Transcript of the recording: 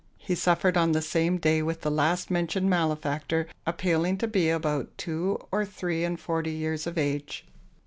He suffered on the same day with the last mentioned malefactor, appealing to be about two or three and forty years of age.